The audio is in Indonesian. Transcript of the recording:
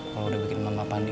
kalau udah bikin mama pandi